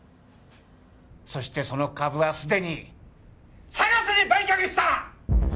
そしてその株はすでにＳＡＧＡＳに売却した！